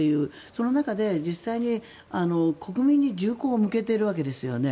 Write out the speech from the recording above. その中で実際に国民に銃口を向けているわけですよね。